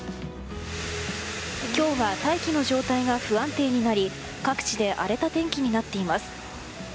今日は大気の状態が不安定になり各地で荒れた天気になっています。